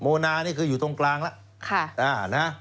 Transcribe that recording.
โมนานี่คืออยู่ตรงกลางแล้ว